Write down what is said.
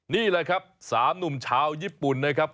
นี่แหละครับ๓หนุ่มชาวญี่ปุ่นนะครับ